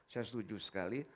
saya setuju sekali